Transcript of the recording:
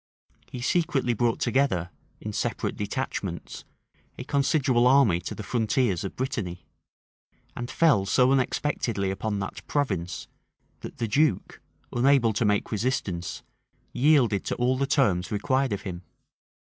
He secretly brought together, in separate detachments, a considerable army to the frontiers of Brittany; and fell so unexpectedly upon that province, that the duke, unable to make resistance, yielded to all the terms required of him.